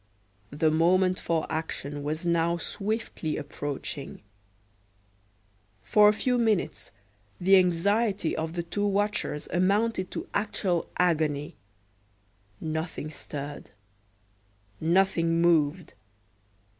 The moment for action was now swiftly approaching. For a few minutes the anxiety of the two watchers amounted to actual agony; nothing stirred nothing moved.